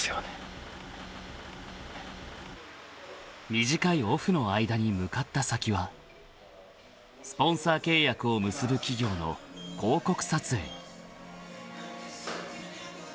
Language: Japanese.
［短いオフの間に向かった先はスポンサー契約を結ぶ企業の広告撮影］